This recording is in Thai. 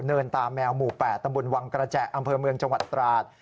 ตาแมวหมู่๘ตำบลวังกระแจอำเภอเมืองจังหวัดตราด